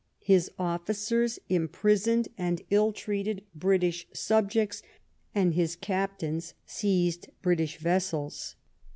His officers imprisoned and ill treated British subjects, and his captains seized British vessels.